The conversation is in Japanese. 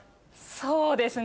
そうですね